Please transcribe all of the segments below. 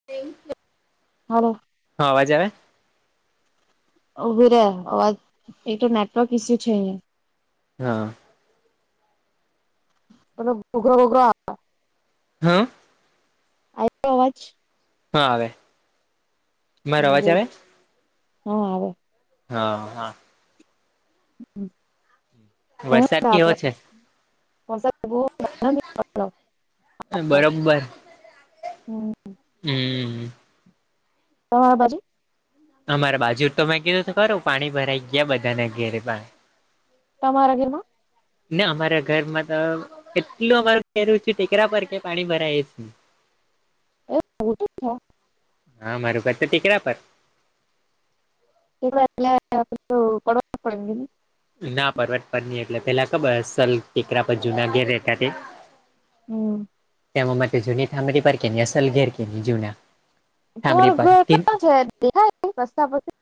[unintelligible] Hello. હા અવાજ આવે. ઉભુરે અવાજ એ તો નેટવર્ક ઈસ્યુ છે. હા. [unintelligible] હમ? આયો અવાજ? હા, આવે. મારો હા અવાજ બોલ આવે હા આવે. હા, હા. હમ. વરસાદ કેવો છે. વરસાદ બહું [unintelligible] બરોબર હમ. હમ. [unintelligible] અમારે બાજુ તો મેં કીધું ખરું પાણી ભરાઈ ગયા બધાને ઘેરેમાં. તમારા ઘેરમાં? ને અમારા ઘરમાં તો કેટલું અમારું [unintelligible] છે ટેકરા પર કે પાણી ભરાય [unintelligible] [unintelligible] હા [unintelligible] [inaudible] ના પર્વત પર ની એટલે પેલા ખબર અસલ ટેકરા પર જુના ઘેર રહેતા તે. હમ. તેમાં માટે જૂની થામણી પર કે અસલ ઘેર કે જૂના. તોર થાંભલી પર ઘોર કા [unintelligible] રસ્તા પછી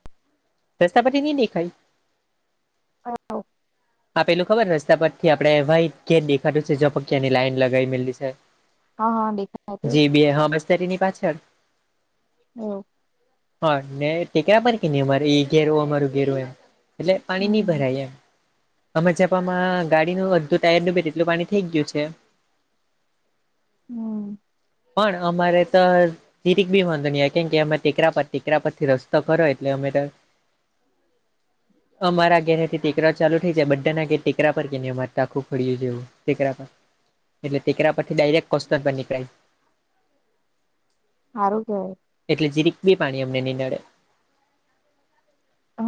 રસ્તા પરથી ની દેખાઈ [inaudible] આપેલું ખબર રસ્તા પરથી આપડે વાઈટ ઘેર દેખાતું છે [unintelligible] લાઈન લગાવી મેલી છે હા હા દેખાય છે જી બે હા મસ્તરીની પાછળ. હમ. હા [unintelligible] અમારે એ ઘેરું અમારું ઘેર હોય એટલે પાણી ની હમ ભરાય એમ [unintelligible] માં ગાડીનું અડધું ટાયર ડૂબે તેટલું પાણી થઇ ગયું છે હમ. પણ અમારે ત જીરીક ભી વાંધો ની આવે કેમ કે અમે ટેકરા પર ટેકરા પર થી રસ્તો ખરો એટલે અમે અમારા ઘેરેથી ટેકરા ચાલુ થઈ જાય બધાના ટેકરા પર કે ન અમારે ટાખું ફડ્યું જેવું. ટેકરા પર એટલે ટેકરા પરથી ડાયરેક્ટ કોસ્ટર પર નીકળાય [inaudible] હારું કેવાય. એટલે જીરીક બી પાણી અમને નઈ નડે.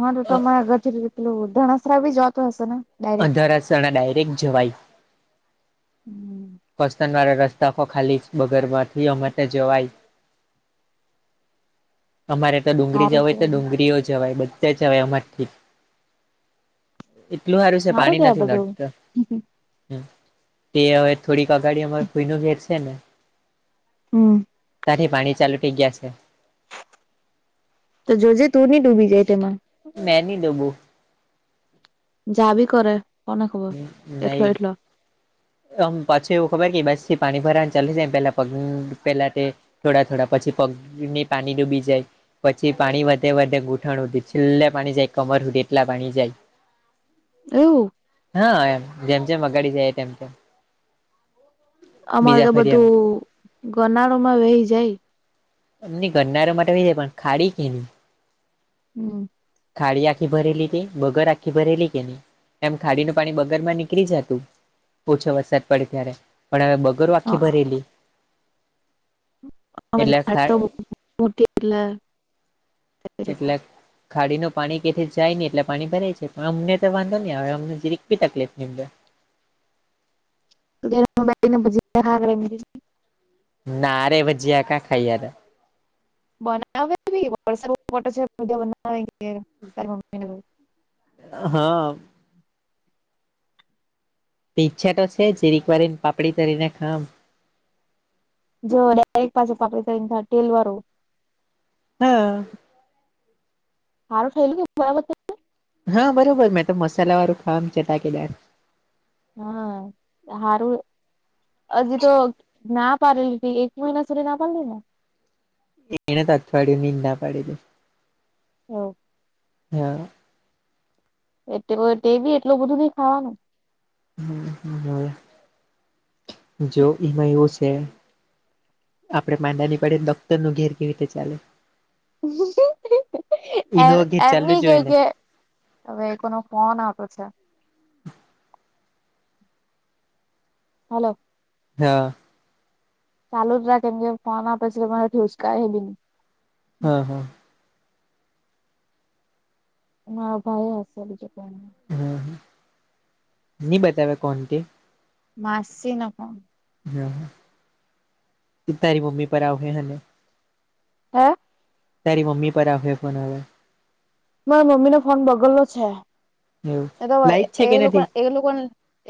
હા તો તમરા આ ઘર થી પેલું ધણસરા બી જવાતું હશે ને ડાયરેક્ટ અધારસણા ડાયરેક્ટ જવાય હમ. વતન વાળા રસ્તા ખાલી બગર માંથી અમાર ત્યા જવાય અમારે તો ડુંગળી હારું જવા હોય તો કેવાય ડુંગળીઓ જવાય બધાય જવાય અમારથી એટલું હારું છે પાણી કેવાય નથી બધું. નડતુ તે હવે થોડીક અઘાડી અમારે ફુઈ નુ ઘેરશે ને હમ. તાથી પાણી ચાલુ થઈ ગયા છે તો જો જેે તું ની ડૂબી જાય તેમાં મેં ની ડુબું જા બી કરે કોને ખબર એકલો નહી એકલો આમ પછી એવું ખબર કે બસ થી પાણી ભરાવા ચા જાય પેલા પગ પેલા તે થોડા થોડા પછી પગ ની પાણી ડૂબી જાય પછી પાણી વધે વધે ઘૂંટણ છેલ્લે પાણી જાય કમર એટલા પાણી જાય [inaudible] એવું હા એમ જેમ જેમ અગાડી જાય તેમ તેમ અમારે બીજા તો ફેરિયામાં બધું ગનાળો માં વહી જાય ની ગરનાળા [unintelligible] જાય પણ ખાડી કેની હમ ખાડી આખી ભરેલી તે બગર આખી ભરેલી કે ની એમ ખાડીનું પાણી બગર માં નીકળી જતું ઓછો વરસાદ પડે ત્યારે પણ અવે બગરો આખી ભરેલી એટલે અમારી [inaudible] મોટી એટલે એટલેક ખાડી નો પાણી કેથી જાય ની એટલે પાણી ભરા છે પણ અમને તો વાંધો ની આવે અમને જેઈ તકલીફ ની [inaudible] નારે ભજીયા કયા ખઈ હક બનાવે કે નહીં વરસાદ બહું પડતો છેતો બનાવે કે તારી મમ્મીને જઇન અહ ઈચ્છા તો છે જીરીક વાર રેયને પાપડી તરીને ખામ જો ડરેક પાસો પાપડી તડીને ખાય ટેલ વારું હા હારું થયેલું કે ની બરાબર તે હા બરોબર મેં તો મસાલાવારુ ખામ ચટાકેદાર. હા હારું હજી તો ના પાડેલી હતી એક મહિના સુધી ના પાડેલી ને એને તો અઠવાડિયુંની જ ના પાડેલી. ઓ હા એટલે ટેવો ટેબી એટલું બધું નઈ ખાવાનું. હ જો એમા એવું છે આપડે માંદા ની પડયે ડોક્ટર ઘેર કેવી રીતે ચાલે એમ એનું ઘેર એમ ચાલવું નઈ જોઈએ કેઈ ને કે હવે એ લોકોનો ફોન આવતો છે. હલો હા ચાલુ રાખ કેમ કે ફોન આવતો મારાથી ઉચકાહે બી ની. હા હા મારો ભાઈ હશે બીજું કોન હોય હા હા ની બતાવે કોન તે માસીનો ફોન હા હા તારી મમ્મી પર આવહે હને હા તારી મમ્મી પર આવહે ફોન હવે. મારા મમ્મીનો ફોન બગલ્લો છે એવું એ તો લાઈટ છે એ કે લોકો નથી એ લોકોને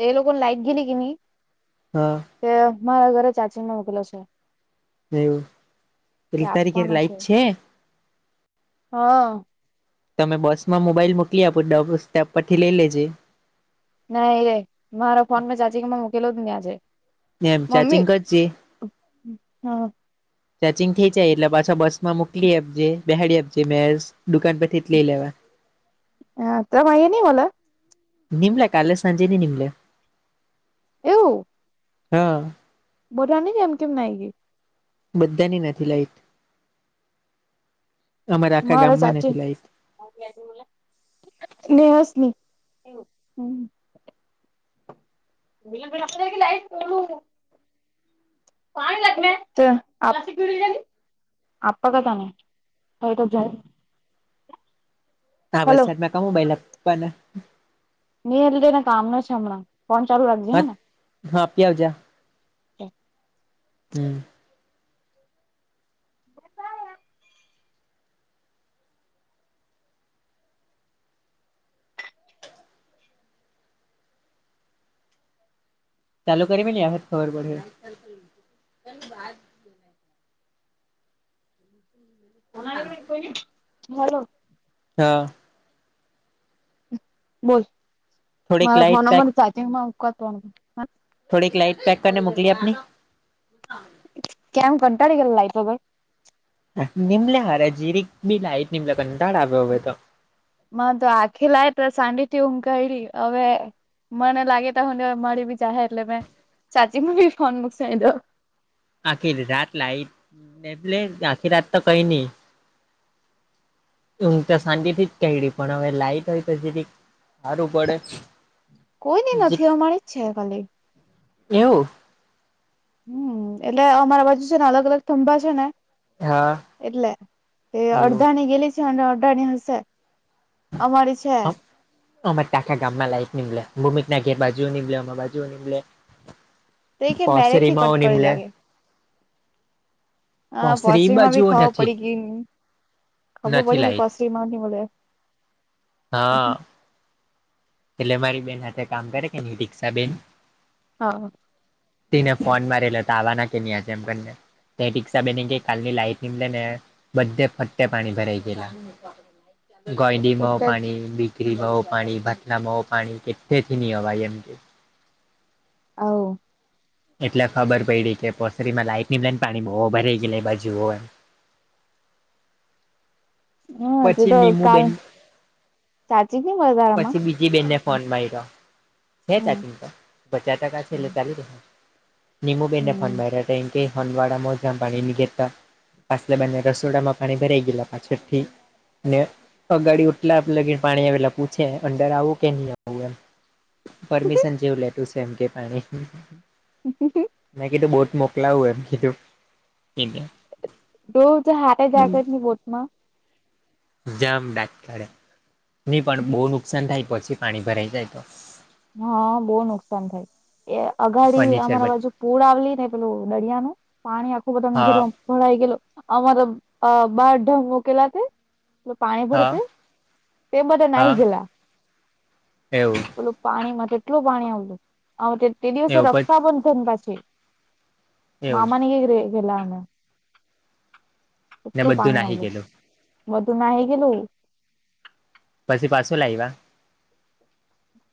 એ લોકોની લાઈટ ગેલી કે ની હા તે મારા ઘરે ચાર્જિંગમાં મોકેલો છે. હવું તે પેલી તારી ઘરે આપવાનો લાઈટ છે? હા તમે બસમાં મોબાઈલ મોકલી આપો ડબ સ્ટેપ પરથી લઈ લેજે ના એ મારા ફોન મેં ચાર્જિંગમાં મોકેલો જ ની આજે. એમ ચાચિગ કરજે. હા ચાચિંગ થઇ જાય એટલે પાછો બસમાં મોકલી આપજે બેહાળી આપજે મે દુકાન પરથી ત લઇ લેવા. હા તમારે અઈ ની મલે? નિમ્લે કાલે સાંજેની નિ મલે એવું હા બધાની એમ કેમ નાઈ ગઈ બધાંની નથી લાઈટ અમારા આખા મારે ગામમાં સાચે નથી લાઈટ [unintelligible] [unintelligible] પાણી લ આપ કતાને [unintelligible] આ હલો વરસાદને કેઉ બે લકવાના ની એટલે તેને કામનું છે હમણાં ફોન ચાલુ રાખજે હ હે ને હા આપીઆવજા હે હમ્મ ચાલુ કરી મીલની આવહે તો ખબર પડહે વાત- - હમ્મ અ કોઈ હલો- - હા- - બોલ થોડીક મારા light phone pack number charging માંકાતોનું- - થોડી એક લાઈટ પેક કરને મોકલીએ આપની- - કેમ કંટાળી ગઈ લાઈટ વગર નિમલે હાર જીરીક બી લાઈટ નિમલે કંટાળો આવે હોવે તો- - તમારે તો આખે લાય તો સાતી થી ઊંઘ કાયડીય હવે- - મને લાગે ત હુંને મળી બી જાાહે એટલે મેં સાચી બી ફોન મુકસ દઉ- - આખી રાત લાઈટ નેલે આખી રાત તો કઈ નહી. ઉંઘ તો શાંતી થી જ કાયડી પણ હવે લાઈટ હોય તો જીરીક સારું પડે. કોઈની નથી અમારી જ છે ખાલી. એવું? હમ્મ એટલે અમારા બાજુ છે ને અલગ અલગ થંભા છે ને- - હા. એટલે એ એવું અડધાની ગેલી છે અને અડધા ની હશે- - અમારી છે. અમાર ટખા ગામમાં લક નિમલે બૂમિત ના ઘેર બાજુ નિમલે અમાર બાજુ નિમલે- - તો એ કે મેરેટ પાસરી થી કટ માવું કરી નિમલે- લાગે - હા પોસરી પોસ્ટરીમાં ભી બાજુઓ ખાો નથી પડી ગય ખવું નથી પડી લાઈટ પોસ્ટરીમાં બલે- - હા. એટલે મારી બેન હાથે કે ન રિક્ષા બેન- - હા. ને ફોન મારે લ ત આવવા ના કે ન્યા છે એમને. તે રિકા બેની કે કાલની લાઈટ ની લે ને બધે ફતે પાણી ભરાઈ ગેલા ગઈંદ માવ એટલે પાણી બિક્રીમાંવ પાણી ભ- - નામવ પાણી કેટતેથી નિ ભાઈ એમ કે- - આવો એટલે ખબર પડી કે પોસરી માં લાઈટ ની બ લઈને પાણી ભરા ગયલુ એ બાજુ હો. હ તે પછી તો નીબુ કાલ બેન સાચી જ વધારામાં પછી બી જી બેનને ફોન મારી રહ્યો છે તા હમ ચિંતા પચાસ ટકા છે એટલે હમ ચાલીરેહે નિમું બેને ફોન હમ માયરો તે કે હવાડામાં જ પાણી ની ગેતા પાછલા બને રસોડામાં પાણી ભરાઈ ગયલા પાછળ થી. ને અગાડી ઓટલા લગીને પાણી આવેલા પૂછે અંડર આવું કે નહી આવું એમ. પરમિશન જેવું લેતું સે એમ કે પાણી [unintelligible] મે કીધુ બોટ મોકલાવુ એમ કિધુ. ડો તો હાથે જાગ જ ની બોટ માં જામ ડાત કાડે નહી પણ બહુ નુકસાન થાય પછી પાણી ભરાઈ જાય તો. હા બહુ નુકસાન થાય એ અઘાડી ફર્નિચર બ અમારા બાજુ પૂર આવલી ને પેલું દરિયાનું પાણી આખું બધુંને હા કીધુંમ ભડાઈ ગેલો અમારા અ બારઢ મુકેલા તે પ પાણી ભરતે હા તે બ હા નાહી ગેલા. એવું પાણીમાં કેટલું પાણી આવતું તે દિવસે એવું પછ રક્ષાબંધન પાછુ. એવું મામા ના ધેર રેય ગયેલા અમે. ને એટલું બધું પાણી નાહી આવલું ગયેલું બધું નાહીઈ ગયેલું. પછી પાછું લાયવા.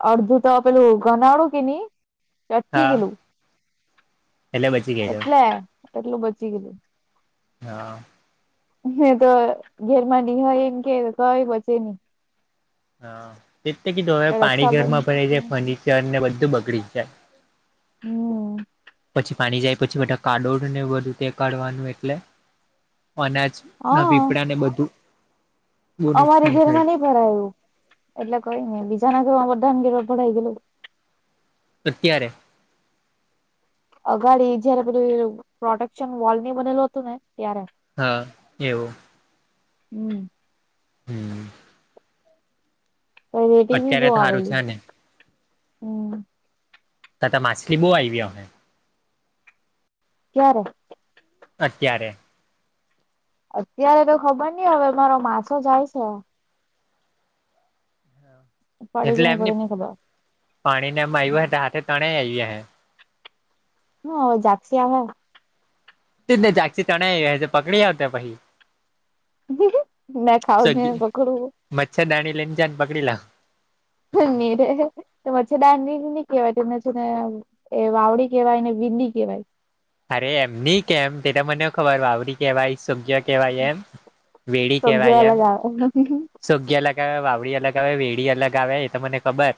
અડધું તો પેલું ઘનાડું કે નહી અટકી હા ગેલું. એટલે બચી ગયેલો એટલે એટલું બચી ગેલુ. હા હે તો ઘેરમાં ની હોય એમ કે કંઈ બચે નહીં. હા એટલે કીધું હવે પાણી રક્ષાબંધન ઘરમાં ભરાઈ જાય ફર્નિચર ને બધું બગડી જાય, હમ પછી પાણી જાય પછી બધા કાદોને બધું તે કાઢવાનું એટલે અનાજ, ના હા પીપડાને બધું, બહુ અમારે નુકસાન થાય ઘેરમાં નઈ ભરાયું એટલે કંઈને બીજાના ઘરમાં બધા ઘરમાં ભરાઈ ગયું, અત્યારે, અગાડી જયારે બધું પ્રોટેક્શન વોલની બનેલું હતું ને ત્યારે, હા, એવું હમ હમ. નહીં રેટી બી અત્યારે બહુ તો સારું આવેલું છે ને હ ટો‌ ટો માછલી બહુ આયવી ગઈ. ક્યારે, અત્યારે, અત્યારે તો ખબર નઈ હવે મારો માછો જાય છે, પડે કે એટલે નહી એમની પડે નઈ ખબર પાણીને એમાં આવ્યું હાથે તણે આયવી હે હ જાક્ષી હાવને. જાગતી ન જાગતી તણાઈ હજી પકડી આવ્યા પછી. મે ખાવ સગી ની પકડું, મચ્છરદાણી લઇ ને જાન પકડીલાવ નીરે મરછર ડાંનીની કેવાય તેમને છે, ને એ વાવડી કેવાય ને વિડી કેવાય, અરે એમની કેમ તેને મને ખબર વાવરી કેવાય સબ્જે, કેવાય એમ વેડી તો કેવાય એમ, [unintelligible] સોગી અલગ આવે વાવડી અલગ આવે વેડી અલગ આવે એ તો મને ખબર,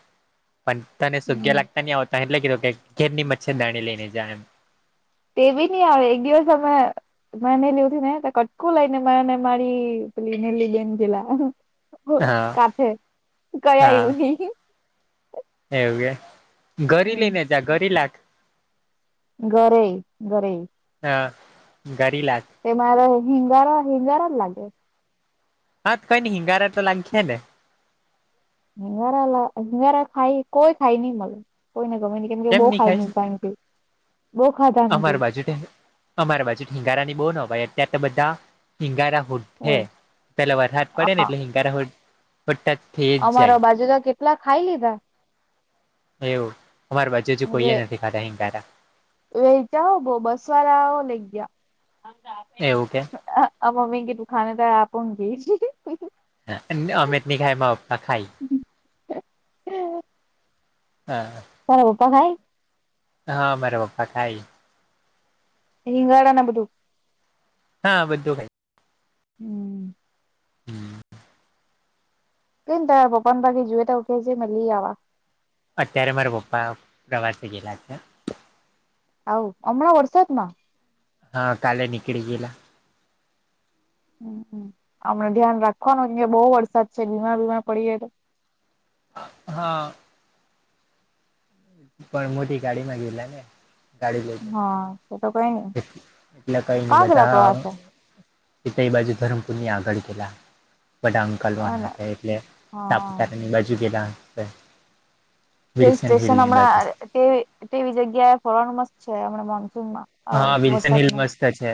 પણ તને સૂગ્યા હમ લાગતા ની આવડતા અહે એટલે કીધુ કે ઘેરની મચ્છર દાણી લઈને જાય એમ. તેભી નહી આવે એક દિવસ અમે મા ને લીઉને કટકું લઈને માને મારી પેલી નેલી બેન ગેલા હા કાથે કયા હા આવું નઈ, એવું કે ઘરી હમ લઈને જા ઘરી લાખ. ઘરોઈ, ઘરોઈ હા ઘરી લાખ. તે મારે હિંગારા હિંગારા જ લાગે. હા કઈ ને હિંગારા તો લાગ હે ને હિંગરા હંગરા ખાઈ કોઈ ખાઈ ની મડે કોઈને ગમે ન કેમકે કેમ બો નહી ખાઈ મુયકા એમ કેય. બો ખાધા અમારી બાજુ તો અમારી બાજુ હીંગારાની બો નવાઈ અત્યારે તો બધા હીંગારા, હે પેલા વરસાદ પડેને એટલે હિંગારા શોધતા અમારા બાજુ તો કેટલા ખાઈ લીધા એવું અમારું બાજુ હજુ કોઈએ નથી ખાતા હિગારા એવું કા બો બસ વાળા હો લઈ ગયા. એવું કે આ મમ્મી કેતું ખાને તો આપું ન જોય હે એટલે અમે તો ની ખાય મારા પપ્પા ખાઈ. [inaudible] હા. તારા પપ્પા ખાય. હા મારા પપ્પા ખાઈ. રીંગણ અને બધું હા બધું ખાય. હમમ. હમમ. કેમ તારા પપ્પા ને બાકી જુએ તો કે જે મેં લીયા વા. અત્યારે મારા પપ્પા પ્રવાસે ગેલા છે. આવુ અમણા વરસાદ માં હા કાલે નીકડી ગયેલા. હમમ હમમ અમને ધ્યાન રાખવાનું કે બો વરસાદ છે બીમાર બીમાર પડી જાય તો. હા. પણ મોટી ગાડી માં ગયેલા ને. ગાડી લઈને હા એ તો કઈ નઈ એટલે કઈ નહીં કા ગેલા બધા અ પ્રવાસે તે કઈ બાજુ ધરમપુરની આગળ પેલા બટામણ [unintelligible] એટલે હા સાપુતારા ની બાજુ ગયેલા હિલ સ્ટેશન હમણાં તેવી તેવી જગ્યા એ ફરવાનું મસ્ત છે હમણા મોનસૂનમાં. હા વિલ્સન હિલ વરસાદમાં મસ્ત છે.